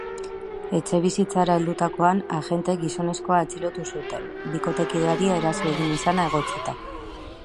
Etxebizitzara heldutakoan, agenteek gizonezkoa atxilotu zuten, bikotekideari eraso egin izana egotzita.